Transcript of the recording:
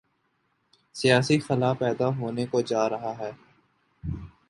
سیاسی خلا پیدا ہونے کو جارہا ہے۔